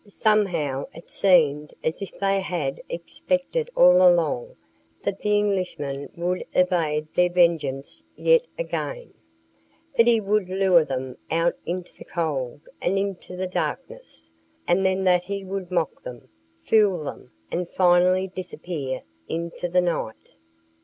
Somehow it seemed as if they had expected all along that the Englishman would evade their vengeance yet again, that he would lure them out into the cold and into the darkness, and then that he would mock them, fool them, and finally disappear into the night.